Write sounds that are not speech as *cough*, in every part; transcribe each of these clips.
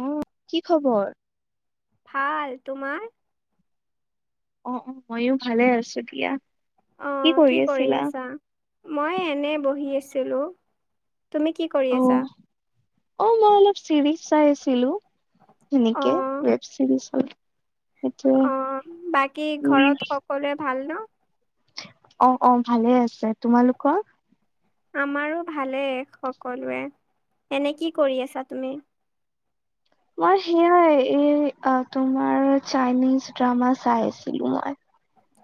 অ', কি খবৰ? ভাল, তোমাৰ? অ', অ', ময়ো ভালে আছোঁ দিয়া। অ', কি কৰি আছা? মই এনে বহি আছিলোঁ, তুমি কি কৰি অ আছা? অ', মই অলপ চিৰিজ চাই আছিলোঁ, অ এনেকে ৱেব চিৰিজ হয়। অ', বাকী ঘৰত সকলোৱে ভাল ন? অ', অ', ভালে আছে, তোমালোকৰ? আমাৰো ভালেই সকলোৰে, এনে কি কৰি আছা তুমি? মই সেইয়া এই তোমাৰ চাইনিজ ড্ৰামা চাই আছিলোঁ মই।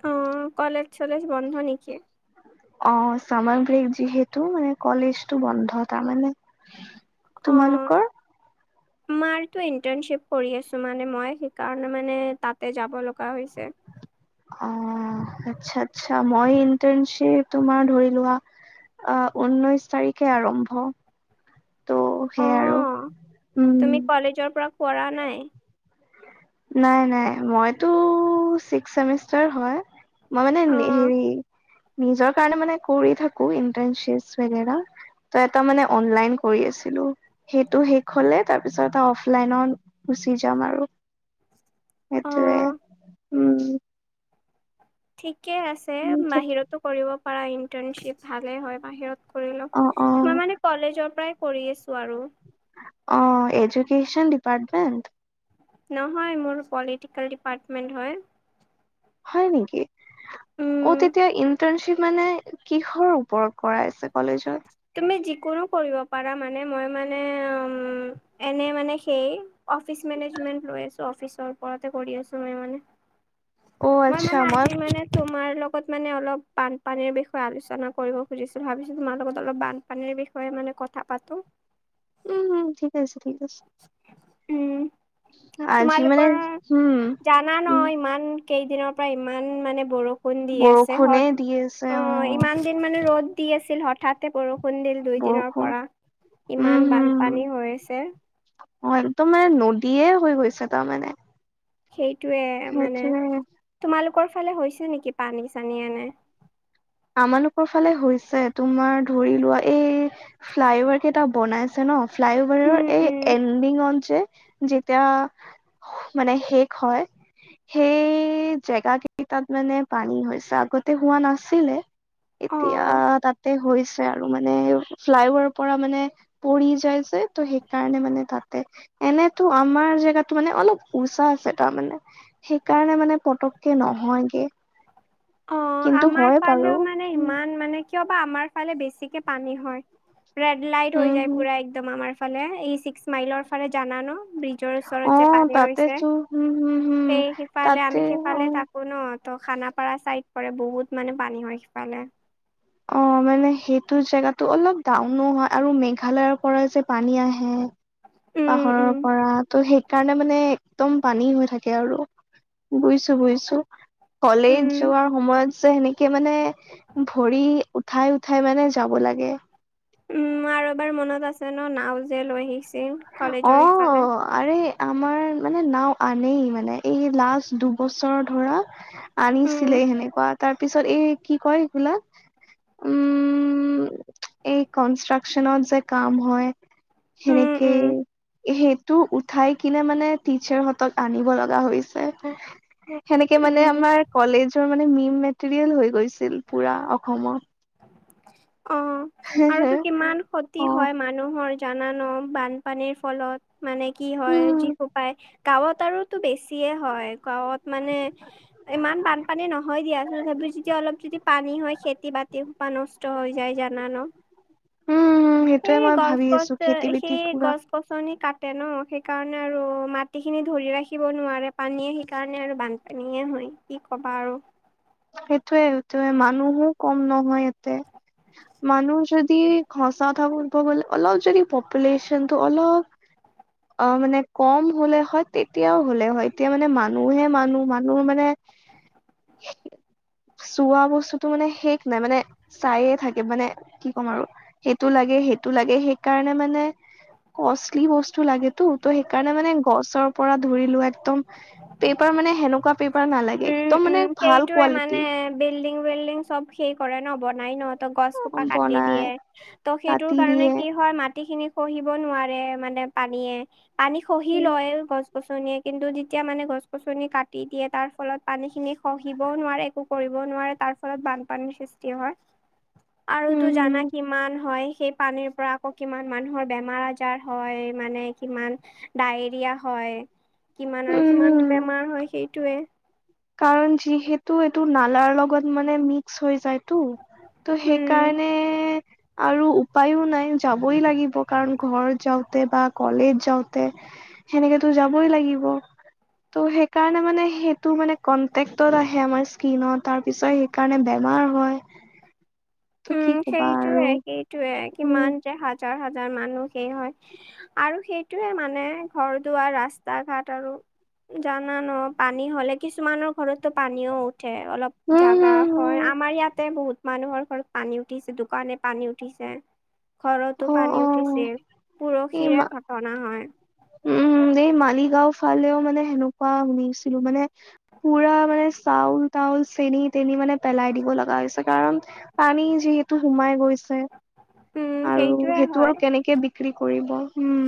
অ', কলেজ চলেজ বন্ধ নেকি? অ', চামাৰ ব্ৰেক যিহেতু মানে কলেজটো বন্ধ তাৰমানে। তোমালোকৰ? আমাৰ টো ইন্টাৰ্ণশ্বিপ কৰি আছোঁ মানে মই সেইকাৰণে মানে তাতে যাব লগা হৈছে। অ', আচ্ছা-আচ্ছা। মই ইটাৰ্ণশ্বিপ তোমাৰ ধৰি লোৱা আ, ঊনৈশ তাৰিখে আৰম্ভ। ত' সেয়াই আৰু অ', উম, তুমি কলেজৰ পৰা কৰা নাই? নাই-নাই মইতো ছিক্স চেমিষ্টাৰ হয়। মই মানে অ হেৰি নিজৰ কাৰণে মানে কৰি থাকো ইণ্টাৰ্ণশ্বিপ বেগেৰা। তাৰমানে মানে অনলাইন কৰি আছিলোঁ। সেইটো শেষ হলে তাৰপিছত এটা অফলাইনত গুচি যাম আৰু। সেইটোৱে। অ উম। ঠিকে আছে বাহিৰতো কৰিব পৰা ইণ্টাৰ্ণশ্বিপ ভালেই হয় বাহিৰত। কৰি লম। অ', অ', মই মানে কলেজৰ পৰাই কৰিঢ আছোঁ আৰু। অ', এজুকেশ্যন ডিপাৰ্টমেণ্ট? নহয় মোৰ পলিটিকেল ডিপাৰ্টমেন্ট হয়। হয় নেকি? অ', উম তেতিয়া ইন্টাৰ্ণশ্বিপ মানে কিহৰ ওপৰত কৰাই আছে কলেজত? তুমি যিকোনো কৰিব পাৰা, মানে মই মানে উম এনে মানে সেই অফিচ মেনেজমেন্ট লৈ আছোঁ অফিচৰ ওপৰতে কৰি আছোঁ মই মানে *inaudible* অ', মই আচ্ছা মানে আজি মানে তোমাৰ লগত মানে অলপ বানপানীৰ বিষয়ে আলোচনা কৰিব খুজিছোঁ, ভাবিছোঁ তোমাৰ লগত অলপ বানপানীৰ বিষয়ে মানে কথা পাতোঁ। উম, ঠিক আছে-ঠিক আছে। উম, আজি মানে তোমালোকৰ উম জানা ন? উম ইমান কেইদিনৰ পৰা ইমান মানে বৰষুণ দি আছে বৰষুণে সদ দি আছে অ', ইমান দিন মানে ৰ'দ দি আছিল হঠাতে বৰষ খুন্দিল দুই দিনৰ বৰষুণ পৰা উম ইমান হম বানপানী হৈ আছে। অ', একদম মানে নদীয়ে হৈ গৈছে তাৰমানে। সেইটোয়ে মানে সেইটোয়ে তোমালোকৰ ফালে হৈছে নেকি পানী চানী এনে? আমালোকৰ ফালে হৈছে তোমাৰ ধৰি লোৱা এই ফ্লাই অভাৰ কেইটা বনাই আছে ন, ফ্লাই অভাৰৰ উম এই উম এণ্ডিঙত যে যেতিয়া মানে শেষ হয় সেই জেগা কেইটাত মানে পানী হৈছে আগতে হোৱা নাছিলে। অ এতিয়া তাতে হৈছে আৰু মানে ফ্লাইভাৰ পৰা মানে পৰি যায় যে ত সেইকাৰণে মানে তাতে এনেতো আমাৰ জেগাতো মানে অলপ উচা আছে তাৰমানে। সেইকাৰণে মানে পতককে নহয়গে। অ', কিন্তু আমাৰ হয় বাৰু ফালেও মানে উম ইমান মানে কিয় বা আমাৰ ফালে বেছিকে পানী হয়। ৰেড লাইট হৈ হম যায় হম পুৰা একদম আমাৰ ফালে এই ছিক্স মাইলৰ ফালে জানা ন, ব্ৰিজ জৰ ওচৰত অ যে পানী হৈছে, তাতেতো হম হম হম সেই সিফালে তাতে আমি অ সিফালে তাক থাকোঁ ন, ত খানাপাৰা চাইড পৰে বহুত মানে পানী হয় সিফালে। অ', মানে সেইটো জেগা টো অলপ ডাউনো হয় আৰু মেঘালয়ৰ পৰা যে পানী আহে। উম পাহৰৰ উম। পৰা ত' সেইকাৰণে মানে একদম পানী হৈ থাকে আৰু। বুইছো-বুইছো, কলেজ উম যোৱাৰ সময়ত চে সেনেকে মানে ভৰি উঠাই-উঠাই মানে যাব লাগে। উম, আৰু এবাৰ মনত আছে ন নাও যে লৈ আহিছিল, অ কলেজৰ ইফালে? আৰে আমাৰ মানে নাও আনেই মানে এই লাষ্ট দুবছৰ ধৰা উম আনিছিলে সেনেকুৱা তাৰ পিছত এই কি কয় এইবিলাক? উম, এই কনষ্ট্ৰাকচনত যে কাম হয়? সেনে উম। সেইটো উঠাই কিনে মানে টিচাৰ হতত আনিব লগা হৈছে। সেনেকে মানে উম আমাৰ কলেজৰ মানে মিম মেটেৰিয়েল হৈ গৈছিল পুৰা অসমত। অ', আৰু টো কিমান ক্ষতি অ হয় মানুহৰ জানো ন বানপানীৰ ফলত? মানে কি হয় উম যীশোপাই গাঁৱত আৰুতো বেছিয়ে হয়, গাঁৱত মানে ইমান বানপানী নহয় দিয়াচোন তথাপি যেতিয়া অলপ যদি পানী হয় খেতি বাতি হুপা নষ্ট নষ্ট হৈ যায় জানা ন? উম সেইটোয়ে সেই মই ভাবি গছ-গছ আছো যে, খেতি বাতি সেই পুৰা গছ গছনি কাটে ন সেইকাৰণে আৰু মাটিখিনি ধৰি ৰাখিব নোৱাৰে পানীয়ে সেইকাৰণে আৰু বান্ধি পানীয়ে হয় কি কবা আৰু। সেইটোয়ে-সেইটোৱে মানুহো কম নহয় ইয়াতে। মানুহ যদি সঁচা কথা কব গলে অলপ যদি পপুলেচন টো অলপ অ', মানে কম হ'লে হয় তেতিয়াও হ'লে হয় এতিয়া মানে মানুহহে-মানুহ-মানুহ মানে চোৱা বস্তুতটো মানে শেষ নাই মানে চাইে থাকে মানে কি ক'ম আৰু সেইটো লাগে সেইটো লাগে সেইকাৰণে মানে কষ্টলি বস্তু লাগেতো ত' সেইকাৰণে মানে গছৰ পৰা ধৰিলোৱা একদম পেপাৰ মানে সেনেকুৱা পেপাৰ নালাগে একদম মানে উম-উম ভাল সেইটোয়ে কোৱালিটি মানে বিল্ডিং-উল্ডিং চব সেই কৰে ন বনাই ন, ত গছ খোপা কাটি বনাই দিয়ে ত' সেইটোৰ কাটি কাৰণে দিয়ে। কি হয়, মাটি খিনি খহিব নোৱাৰে মানে পানীয়ে, পানী খহি উম, লয় গছ গছ গছনিয়ে কিন্তু যেতিয়া মানে গছ গছনি কাটি দিয়ে তাৰ ফলত পানী খিনি খহিবও নোৱাৰে একো কৰিবও নোৱাৰে তাৰ ফলত বানপানীৰ সৃষ্টি হয়। আৰু তো উম, জানা কিমান হয় সেই পানীৰ পৰা আকৌ কিমান মানুহৰ বেমাৰ আজাৰ হয় মানে কিমান ডায়েৰিয়া হয় কিমান হম, আৰু উম, কিমান হম। বেমাৰ হয় সেইটোৱে। কাৰণ যিহেতু এইটো নালাৰ লগত মানে মিক্স হৈ যায়তটো। ত' উম। সেইকাৰণে আৰু উপায়ো নাই যাবই লাগিব কাৰণ ঘৰ যাওঁতে বা কলেজ যাওঁতে সেনেকেতো যাবই লাগিব ত' সেইকাৰণে মানে সেইটো মানে কনটেক্টত আহে আমাৰ স্কীনত তাৰ পিছত সেইকাৰণে বেমাৰ হয়। ত' কি উম, কবা আৰু সেইটোয়ে-সেইটোয়ে উম, কিমান যে হাজাৰ-হাজাৰ মানুহ সেই হয়। আৰু সেইটোয়ে মানে ঘৰ দুৱাৰ ৰাস্তা ঘাট আৰু। জানা ন পানী হ'লে কিছুমানৰ ঘৰত পানীও উঠে অলপ উম, হম, জাগা হয় হম। আমাৰ ইয়াতে বহুত মানুহৰ ঘৰ পানী উঠিছে দোকানে পানী উঠিছে। ঘৰতো অ', পানী অ', উঠিছিল, এই মা পৰহিৰে ঘটনা হয়। উম এই মালিগাঁও ফালেও মানে সেনেকুৱা শুনিছিলোঁ মানে পুৰা মানে চাউল তাউল চেনি তেনি মানে পেলাই দিব লগা হৈছে কাৰণ পানী যিহেতু সোমাই গৈছে উম, আৰু সেইটোয়ে সেইটো হয়। আৰু কেনেকে বিক্ৰী কৰিব, উম।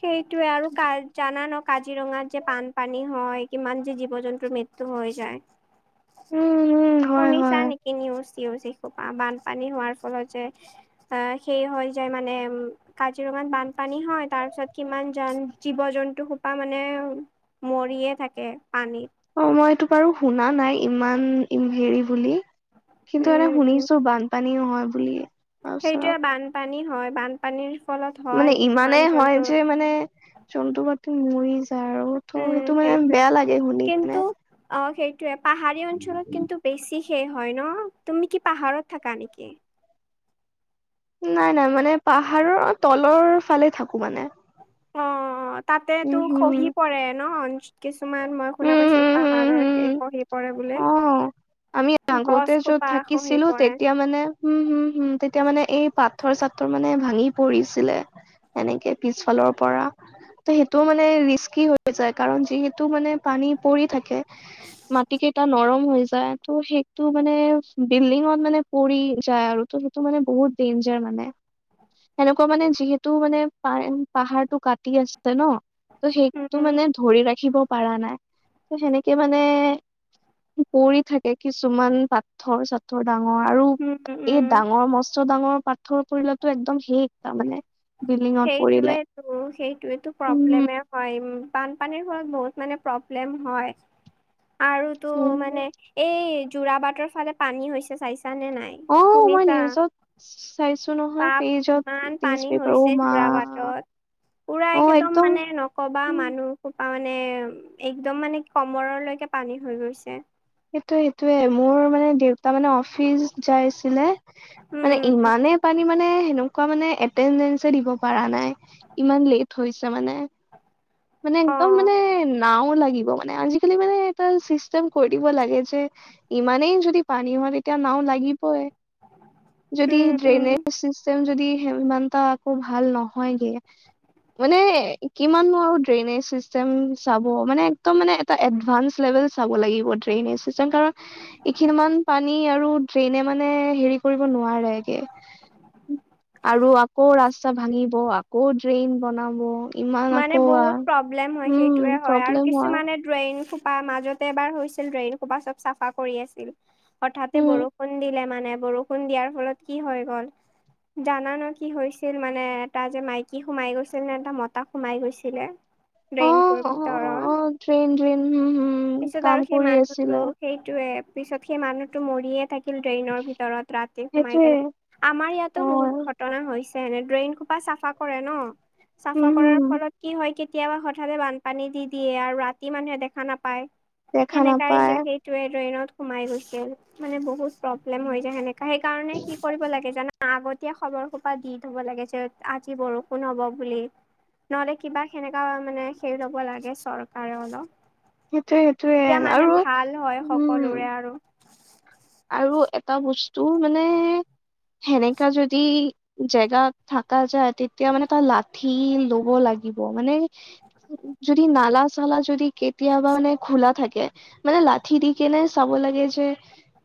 সেইটোয়ে আৰু কাৰ জানা ন কাজিৰঙাত যে পানপানী হয়, কিমান যে জীৱ জন্তুৰ মৃত্যু হৈ যায়। উম, উম। হয়, শুনিছা হয়। নেকি নিউজ চিউজ যিসোপা, বানপানী হোৱাৰ ফলত যে বা সেই হৈ যায় মানে কাজিৰঙাত বানপানী হয়, তাৰ পিছত কিমান জান জীৱ- জন্তু সোপা মানে মৰিয়ে থাকে পানীত। অ', মইটো বাৰু শুনা নাই ইমান ই হেৰি বুলি। কিন্তু এনে উম, শুনিছো বানপানী নহয় বুলি। তাৰপিছত সেইটোৱে বানপানী হয়, বানপানীৰ ফলত মানে হয় ইমানেই কিছুমান হয় যে জন্তুৰ মানে জন্তু পাতি মৰি যায় আৰু। ত' উম, সেইটো মানে সেইটোৱে, বেয়া লাগে শুনি কিনে কিন্তু অ', সেইটোৱে, পাহাৰীয়া অঞ্চলত কিন্তু বেছি শেষ হয় ন, তুমি কি পাহাৰত থাকা নেকি। নাই- নাই মানে পাহাৰৰ তলৰ ফালে থাকো মানে। অ', তাতেটো উম হম খহি পৰে ন, *unintelligible* কিছুমান মই শুনা উম পাইছো, হম হম পাহাৰৰ হম সেই খহি পৰে বোলে, অ আমি গছ আগতে সোপা খহি পৰে। উম, হম, হম, তেতিয়া মানে এই পাথৰ চাথৰ মানে ভাঙি পৰিছিলে। এনেকে পিছফালৰ পৰা। তে সেইটো মানে ৰিস্কি হৈ যায়, কাৰণ যিহেতু মানে পানী পৰি থাকে। মাটি কেইটা নৰম হৈ যায়, ত' সেইটো মানে বিল্ডিঙত মানে পৰি যায় আৰু ত' ত' মানে বহুত ডেঞ্জাৰ মানে। সেনেকুৱা মানে যিহেতু মানে পা পাহাৰটো কাটি আছিলে ন। ত' সেইটো উম মানে ধৰি ৰাখিব পাৰা নাই, ত' সেনেকে মানে পৰি থাকে কিছুমান পাত পাথৰ চাথৰ ডাঙৰ আৰু উম এই উম ডাঙৰ মস্ত ডাঙৰ পাথৰ পৰিলেটো একদম সে তাৰ মানে। সেইটোয়েতো- সেইটোয়েতো উম প্ৰব্লেমে হয়, বানপানীৰ ফলত বহুত মানে প্ৰব্লেম হয় আৰু টো মানে উম। এই যোৰাবাটৰ ফালে পানী হৈছে, চাইছা নে নাই। অ', মই শুনিছা নিউজত চাইছো নহয়, পেজত নিউজ পেপাৰ অ' মা যোৰাবাটত, পোৰা একদম মানে নক'বা মানুহ *unintelligible* সোপা মানে একদম মানে কমৰলৈকে পানী হৈ গৈছে। সেইটোৱে সেইটোয়ে, মোৰ মানে দেউতা মানে অফিচ যাইছিলে উম মানে উম ইমানে পানী মানে, সেনেকুৱা মানে এটেন্দেনচে দিব পাৰা নাই। ইমান লেট হৈছে মানে। মানে অ একদম মানে নাও লাগিব মানে আজিকালি মানে এটা চিষ্টেম কৰিব দিব লাগে যে ইমানেই যদি পানী হয়, তেতিয়া নাও লাগিবই। যদি উম উম ড্ৰেইনেজ চিষ্টেম যদি ইমানটা আকৌ ভাল নহয়গে, মানে কিমাননো আৰু ড্ৰেইনেজ চিচটেম চাব, মানে একদম মানে এটা এডভানস লেভেল চাব লাগিব, ড্ৰেইনেজ চিচটেম কাৰণ এইখিনিমান পানী আৰু ড্ৰেইনে মানে হেৰি কৰিব নোৱাৰেগে। আৰু আকৌ ৰাস্তা ভাঙিব, আকৌ ড্ৰেইন বনাব। ইমান মানে আকৌ আ বহুত প্ৰব্লেম হয় সেইটোয়ে হয় আৰু কিছুমানে ড্ৰেইন খোপা মাজতে এবাৰ হৈছিল ড্ৰেইন খোপা চব চাফা কৰি আছিল। হঠাতে উম বৰষুণ দিলে মানে বৰষুণ দিয়াৰ ফলত কি হৈ গল। জানান কি হৈছিল মানে এটা যে মাইকী সোমাই গৈছিল নে এটা মত টা সোমাই গৈছিলে অ ড্ৰেইনটোৰ অ ভিতৰত? অ ড্ৰেইন ড্ৰেইন হম হম পিছত কাম আৰু সেই কৰি মানহটো, আছিলে সেইটোয়ে পিছত সেই মানুহতো মৰিয়ে থাকে ড্ৰেইনৰ ভিতৰত ৰাতি সোমাই সেইটোৱে কেনে। আমাৰ অ ইয়াতো বহুত ঘট ঘটনা হৈছে এনে ড্ৰেইন সোপা চাফা কৰে ন? চাফা হম কৰাৰ হম ফলত কি হয় কেতিয়াবা হঠাতে বানপানী দি দিয়ে আৰু ৰাতি মানুহে দেখা নাপায়। দেখা সেনেকা নাপায় যে সেইটোৱে ড্ৰেইনত সোমাই গৈছিল, মানে বহুত প্ৰব্লেম হৈ যায় সেনেকা। সেইকাৰণে কি কৰিব লাগে জানা আগত এতিয়া খবৰ সোপা দি থব লাগে যে আজি বৰষুণ হ'ব বুলি। নহলে কিবা সেনেকা মানে হেৰি ল'ব লাগে চৰকাৰৰ অলপ। সেইটোয়ে সেইটোয়ে তেতিয়া মানে আৰু ভাল হয় সকলোৰে উম আৰু। আৰু এটা বস্তু মানে সেনেকা যদি জেগাত থকা যায়, তেতিয়া মানে তাৰ লাঠি লব লাগিব মানে যদি নালা চালা যদি কেতিয়াবা মানে খোলা থাকে। মানে লাঠি দি কেনে চাব লাগে যে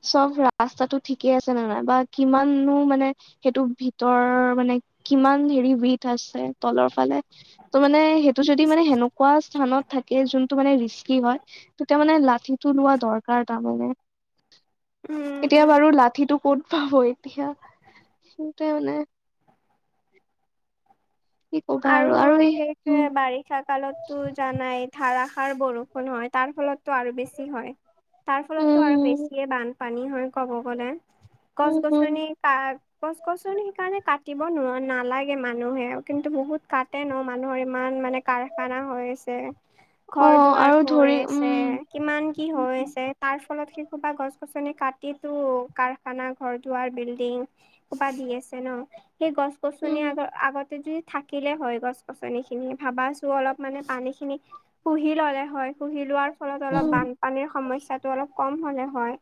চব ৰাস্তাতটো ঠিকে আছে ন নাই বা কিমাননো মানে সেইটো ভিতৰ মানে কিমান হেৰি বিধ আছে তলৰ ফালে ত মানে সেইটো যদি মানে সেনেকুৱা স্থানত থাকে যোনটো মানে ৰিস্কি হয়, তেতিয়া মানে লাঠিটো লোৱা দৰকাৰ তাৰমানে। উম, এতিয়া উম। বাৰু লাঠিটো ক'ত পাব এতিয়া। সেইটোৱে মানে কি কবা আৰু এই সেইটোৱে উম বাৰিষা কালতো জানাই ধাৰাসাৰ বৰষুণ হয়, তাৰ ফলত টো আৰু বেছি হয়। তাৰ ফলতটো উম আৰু হম বেছিয়ে বানপানী হয় ক'ব গলে। গছ উম হম গছনি গছ গছনি সেইকাৰণে কাটিব নোৱাৰ নালাগে মানুহে। কিন্তু বহুত কাটে ন মানুহৰ ইমান মানে কাৰখানা হৈ আছে। অ ঘৰ দুৱাৰ আৰু হৈ ধৰি আছে। উম কিমান কি হৈ আছে। তাৰ ফলত সেইসোপা গছ গছনি কাটিতো ক খানা, ঘৰ দুৱাৰ, বিল্ডিং সোপা দি আছে ন? সেই গছ উম গছনি আগ আগতে যই থাকিলে হয় গছ গছনি খিনি ভাবাছোন অলপ মানে পানী খিনি শুহি ল'লে হয়। শুহি লোৱাৰ ফলত অলপ উম বানপানীৰ সমস্যাটো অলপ কম হলে হয়।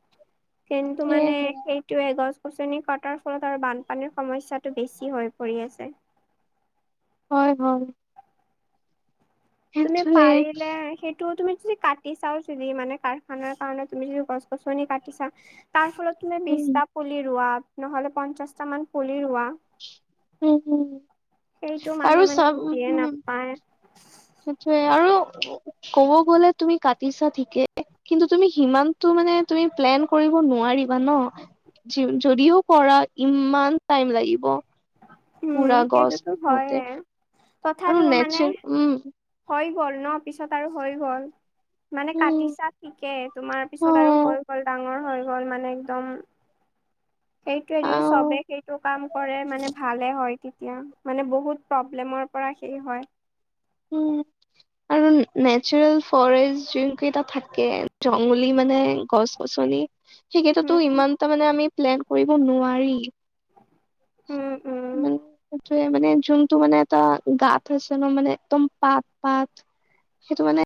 কিন্তু মানে সেয়েহে সেই গছ গছনি কটাৰ ফলত আৰু বানপানীৰ সমস্যাটো বেছি হৈ পৰি আছে। হয়- হয়। তুমি সেইটোৱে পাৰিলে সেইটোও তুমি যদি ক কাটি চাও যদি মানে কাৰখানাৰ কাৰণে তুমি যদি গছ গছনি কাটিছা তাৰ ফলত তুমি উম বিশটা পুলি ৰোৱা নহ'লে পঞ্চাশটা মান পুলি ৰোৱা। উম-হম সেইটো মানুহে আৰু মানে বুজিয়ে চাব--উম নাপায় সেইটোয়ে। আৰু ক'ব গ'লে তুমি কাটিছা ঠিকে কিন্তু তুমি সিমানটো মানে তুমি প্লেন কৰিব নোৱাৰিবা ন? যদিও কৰা ইমান টাইম লাগিব। উম পুৰা গছ সেইটোতো হয়ে ৰোওতে। তথাপিও মানে হৈ গ'ল ন পিছত আৰু হৈ গ'ল। মানে উম কাটিছা ঠিকে তোমাৰ অ পিছত আৰু হৈ গ'ল ডাঙৰ হৈ গল মানে একদম। সেইটোয়ে যদি আও চবে সেইটো কাম কৰে মানে ভালে হয় তেতিয়া, মানে বহুত প্ৰব্লেমৰ পৰা সেই হয়। উম। আৰু নেচাৰেল ফৰেষ্ট যোনকেইটা থাকে জংগলী মানে গছ গছনি সেইকেইটাতো উম ইমান টা মানে আমি প্লেন কৰিব নোৱাৰি উম উম *unintelligible* মানে যোনটো মানে এটা গাত হৈছে ন মানে একদম পাত-পাত, সেইটো মানে